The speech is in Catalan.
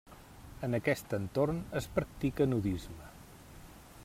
En aquest entorn es practica nudisme.